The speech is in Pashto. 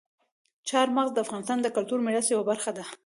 چار مغز د افغانستان د کلتوري میراث یوه برخه ده.